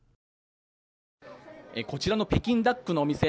こちらの北京ダックのお店